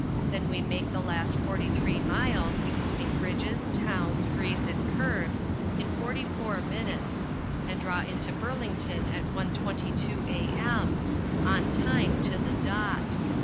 Then we make the last forty three miles, including bridges, towns, grades, and curves, in forty four minutes, and draw into Burlington at 1.22 A.M. on time to the dot.